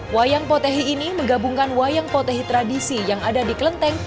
wayang potehi ini menggabungkan wayang potehi tradisi yang ada di kelenteng